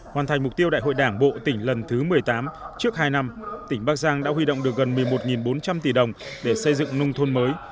hoàn thành mục tiêu đại hội đảng bộ tỉnh lần thứ một mươi tám trước hai năm tỉnh bắc giang đã huy động được gần một mươi một bốn trăm linh tỷ đồng để xây dựng nông thôn mới